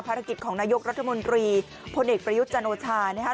ของนายกรัฐมนตรีพลเอกประยุทธ์จันโอชานะครับ